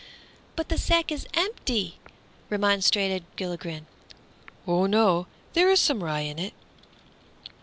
"But the sack is empty!" remonstrated Gilligren. "Oh, no; there is some rye in it."